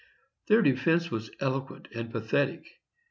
Their defence was eloquent and pathetic.